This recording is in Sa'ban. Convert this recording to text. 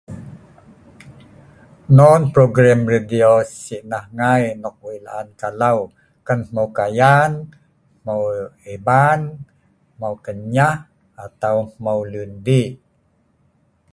Non program radio si nah ngai nok wei laan kalaw, ken hmeu kayan, hmeu iban, hmeu kenyah atau hmeu lun dii